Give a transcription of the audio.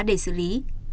để xử lý